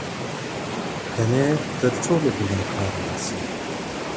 كنې تــر ټــولـــو گــناه كـاره بــــــه ســـــــــې,